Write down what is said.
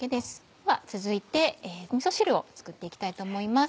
では続いてみそ汁を作って行きたいと思います。